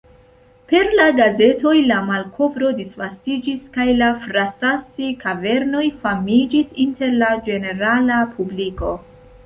Per la gazetoj la malkovro disvastiĝis kaj la Frasassi-kavernoj famiĝis inter la ĝenerala publiko.